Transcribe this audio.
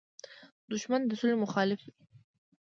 دښمن د سولې مخالف وي